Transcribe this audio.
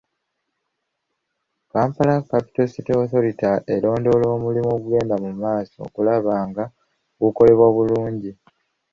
Kampala Capital City Authority erondoola omulimu ogugenda mu maaso okulaba nga gukolebwa bulungi.